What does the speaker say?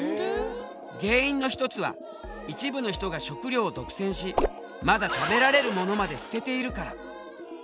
原因の一つは一部の人が食料を独占しまだ食べられるものまで捨てているから。